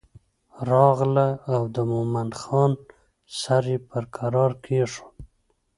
راغله او د مومن خان سر یې په کرار کېښود.